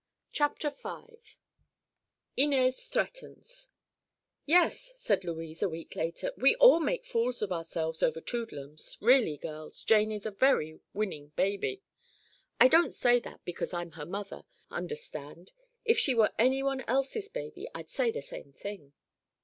CHAPTER V—INEZ THREATENS "Yes," said Louise, a week later, "we all make fools of ourselves over Toodlums, Really, girls, Jane is a very winning baby. I don't say that because I'm her mother, understand. If she were anyone else's baby, I'd say the same thing."